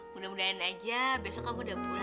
mudah mudahan aja besok kamu udah pulang